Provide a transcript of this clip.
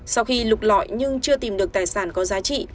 sau khi lục lọi nhưng chưa tìm được tài sản có giá trị